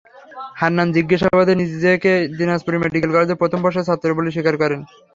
হান্নান জিজ্ঞাসাবাদে নিজেকে দিনাজপুর মেডিকেল কলেজের প্রথম বর্ষের ছাত্র বলে স্বীকার করেন।